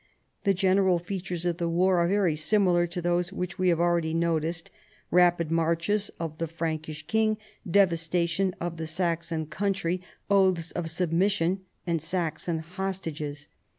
The general features of the war are very similar to those which we have al ready noticed : rapid marches of the Frankish king, devastation of the Saxon country, oaths of submis sion and Saxon hostages.